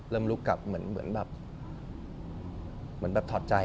เริ่มลุกกลับเหมือนแบบถอดใจ